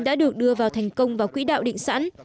đã được đưa vào thành công vào quỹ đạo định sẵn